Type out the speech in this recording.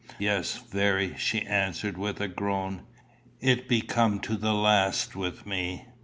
"Yes, very," she answered with a groan. "It be come to the last with me."